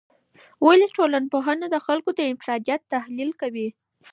ولي ټولنپوهنه د خلګو د انفرادیت تحلیل کوي؟